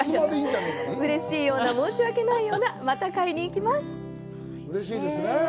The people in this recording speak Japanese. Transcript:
うれしいような、申し訳ないようなまた買いにきます！